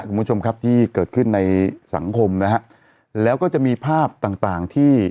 คุณผู้ชมครับที่เกิดขึ้นในสังคมนะฮะแล้วก็จะมีภาพต่างต่างที่